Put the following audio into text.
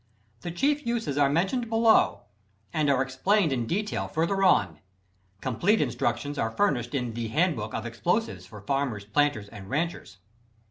The chief uses are mentioned below and are explained in detail further on. Complete instructions are furnished in the "Handbook of Explosives for Farmers, Planters and Ranchers."